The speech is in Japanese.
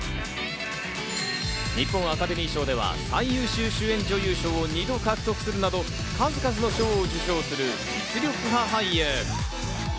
日本アカデミー賞では、最優秀主演女優賞を２度獲得するなど数々の賞を受賞する実力派俳優。